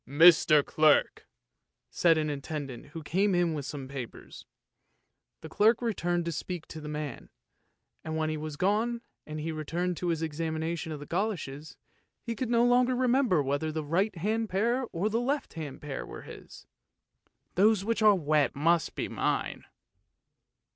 "" Mr. Clerk! " said an attendant who came in with some papers. The clerk returned to speak to the man, and when he was gone and he returned to his examination of the goloshes, he could no longer remember whether the right hand pair or the left hand pair were his. "Those which are wet must be mine!"